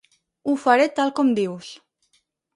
Ho faré tal com dius.